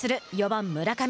４番、村上。